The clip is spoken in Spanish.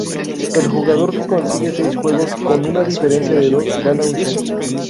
El jugador que consigue seis juegos con una diferencia de dos gana un set.